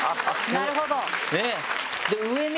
なるほど。